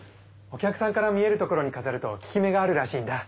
お客さんから見えるところにかざると効き目があるらしいんだ。